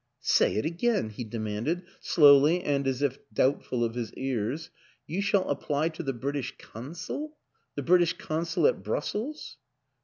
" Say it again," he demanded slowly and as if doubtful of his ears. " You shall apply to the British Consul the British Consul at Brus sels?"